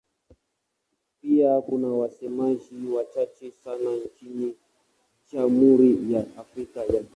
Pia kuna wasemaji wachache sana nchini Jamhuri ya Afrika ya Kati.